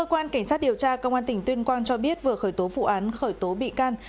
cơ quan cảnh sát điều tra công an tỉnh tuyên quang cho biết vừa khởi tố vụ án khởi tố bị can